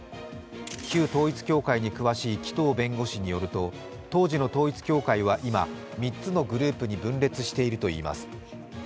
旧統一教会に詳しい紀藤弁護士によると当時の統一教会は今、３つのグループに分裂しているといいます。